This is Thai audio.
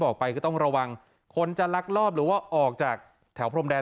ออกไปก็ต้องระวังคนจะลักลอบหรือว่าออกจากแถวพรมแดน